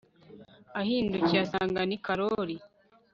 Ahindukiye asanga ni karori